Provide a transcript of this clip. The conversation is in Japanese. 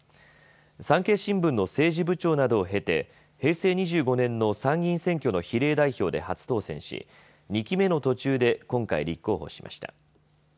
産経新聞の政治部長などを経て平成２５年の参議院選挙の比例代表で初当選し２期目の途中で今回立候補しました。